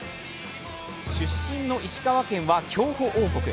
出身の石川県は競歩王国。